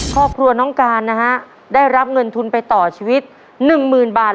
ครอบครัวน้องการนะฮะได้รับเงินทุนไปต่อชีวิต๑๐๐๐บาท